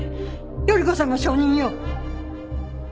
依子さんが証人よ。